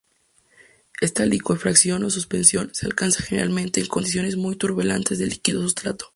Esta licuefacción o suspensión se alcanza generalmente en condiciones muy turbulentas del líquido sustrato.